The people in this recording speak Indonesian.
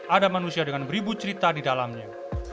ada manusia dengan beribu cerita di dalamnya